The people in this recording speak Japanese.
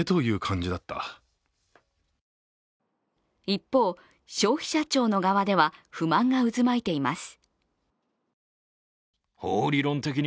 一方、消費者庁の側では不満が渦巻いています。